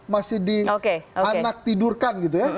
masih di anak tidurkan gitu ya